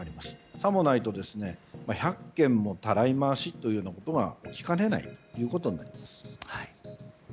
さもないと１００件もたらい回しということが起きかねないということになります。